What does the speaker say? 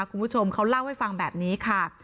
คุณผู้ชมเขาเล่าให้ฟังแบบนี้ค่ะ